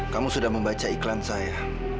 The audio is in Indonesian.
kamu sudah membaca iklan saya